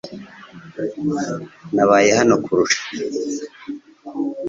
Nabaye hano kukurusha .